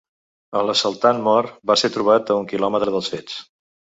El assaltant mort va ser trobat a un quilòmetres dels fets.